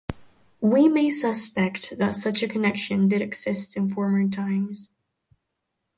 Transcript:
We may suspect that such a connection did exist in former times.